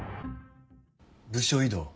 部署異動？